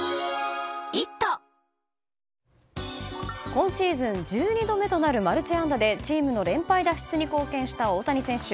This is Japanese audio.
今シーズン１２度目となるマルチ安打でチームの連敗脱出に貢献した大谷選手。